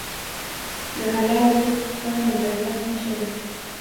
د حلال رزق خوند د برکت نښه ده.